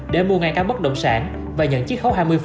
để mua ngang cao bất động sản và nhận chiếc khấu hai mươi